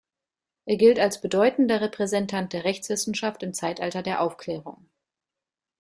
Er gilt als bedeutender Repräsentant der Rechtswissenschaft im Zeitalter der Aufklärung.